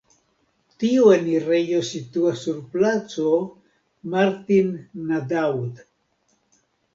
Tiu enirejo situas sur Placo Martin-Nadaud.